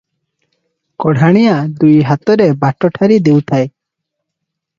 କଢ଼ାଣିଆ ଦୁଇ ହାତରେ ବାଟ ଠାରି ଦେଉଥାଏ ।